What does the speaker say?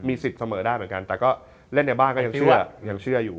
มี๑๐เสมอได้เหมือนกันแต่เล่นในบ้านก็ยังเชื่ออยู่